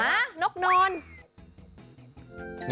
หานกนอน